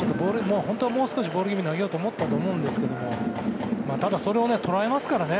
本当はもう少しボール気味に投げようと思ったと思うんですけどただ、それを捉えますからね。